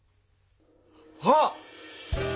あっ！